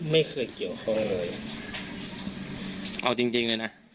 ไม่เคยเกี่ยวข้องเลยเอาจริงจริงเลยนะ